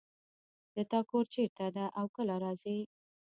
د تا کور چېرته ده او کله راځې